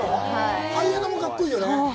ハイエナも格好いいよね。